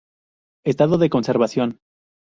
Estado de conservación.